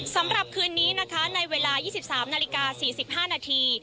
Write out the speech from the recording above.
สำหรับคืนนี้นะคะในเวลา๒๓นาฬิกา๔๕นาที